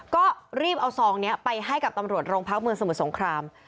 ก็รีบเอาซองนี้ไปให้กับตำรวจโรงพักเมืองสมุทรสงคราม